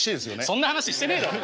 そんな話してねえだろ！